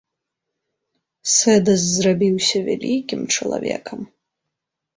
Сэдас зрабіўся вялікім чалавекам.